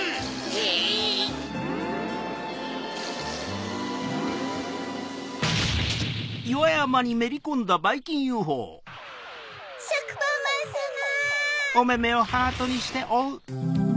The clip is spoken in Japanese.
ドンしょくぱんまんさま。